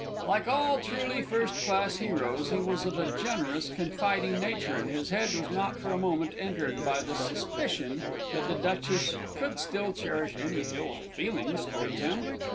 Like all truly first class heroes, he was of a generous, confiding nature, and his head was not for a moment entered by the suspicion that the Duchess could still cherish any ill feelings towards him.